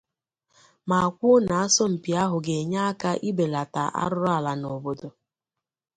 ma kwuo na asọmpi ahụ ga-enye aka ibèlata arụrụala n'obodo